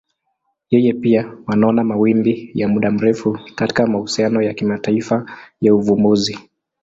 Yeye pia wanaona mawimbi ya muda mrefu katika mahusiano ya kimataifa ya uvumbuzi.